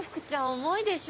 重いでしょ。